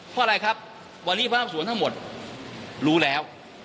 เพราะอะไรครับวันนี้พระรับสวนทั้งหมดรู้แล้ว